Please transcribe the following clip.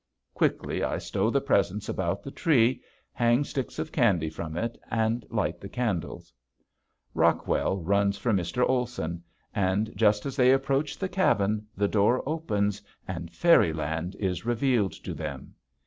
Quickly I stow the presents about the tree, hang sticks of candy from it, and light the candles. Rockwell runs for Mr. Olson, and just as they approach the cabin the door opens and fairyland is revealed to them.